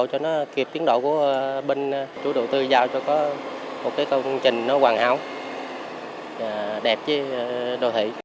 cho nó kịp tiến độ của bên chủ đầu tư giao cho có một công trình nó hoàn hảo đẹp chứ đồ thị